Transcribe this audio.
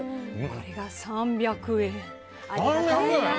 これが３００円。